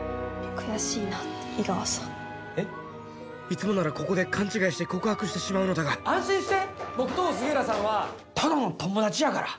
いつもならここで勘違いして告白してしまうのだが安心して僕と杉浦さんはただの友達やから。